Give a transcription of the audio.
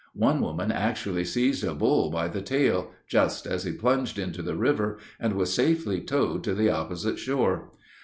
One woman actually seized a bull by the tail, just as he plunged into the river, and was safely towed to the opposite shore.